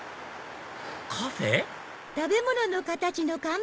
カフェ？